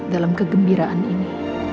dalam kegembiraan ini